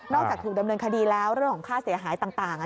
จากถูกดำเนินคดีแล้วเรื่องของค่าเสียหายต่าง